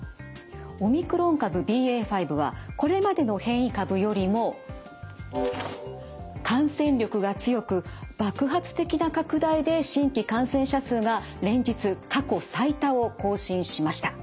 オミクロン株ＢＡ．５はこれまでの変異株よりも感染力が強く爆発的な拡大で新規感染者数が連日過去最多を更新しました。